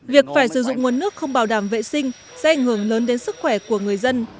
việc phải sử dụng nguồn nước không bảo đảm vệ sinh sẽ ảnh hưởng lớn đến sức khỏe của người dân